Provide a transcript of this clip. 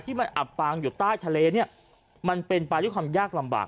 มันอับปางอยู่ใต้ทะเลเนี่ยมันเป็นไปด้วยความยากลำบาก